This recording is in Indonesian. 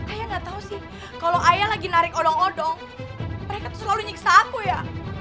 ayah nggak tahu sih kalau ayah lagi narik odong odong mereka tuh selalu nyiksa aku ya